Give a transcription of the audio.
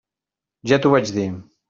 Ja t'ho vaig dir.